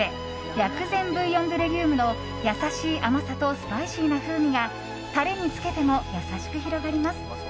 薬膳ブイヨン・ドゥ・レギュームの優しい甘さとスパイシーな風味がタレにつけても優しく広がります。